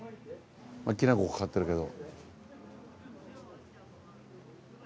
きな粉かかってるけど。